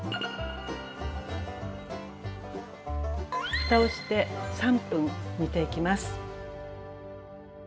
ふたをして３分煮ていきます。